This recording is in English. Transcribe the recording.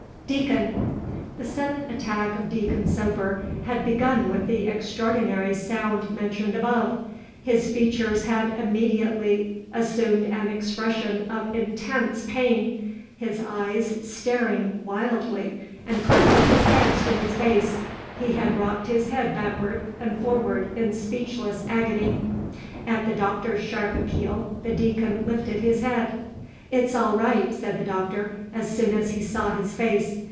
Deacon!" The sudden attack of Deacon Soper had begun with the extraordinary sound mentioned above. His features had immediately assumed an expression of intense pain, his eyes staring wildly, and, clapping his hands to his face, he had rocked his head backward and forward in speechless agony. At the Doctor's sharp appeal the Deacon lifted his head. "It's all right," said the Doctor, as soon as he saw his face.